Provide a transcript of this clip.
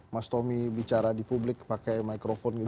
mas tommy bicara di publik pakai microphone gitu